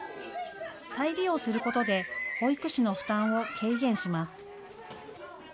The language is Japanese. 再利用することで保育士の負担を軽減します。